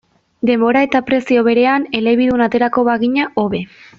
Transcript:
Denbora eta prezio berean elebidun aterako bagina, hobe.